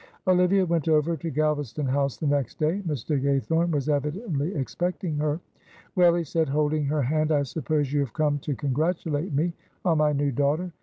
Olivia went over to Galvaston House the next day. Mr. Gaythorne was evidently expecting her. "Well," he said, holding her hand, "I suppose you have come to congratulate me on my new daughter.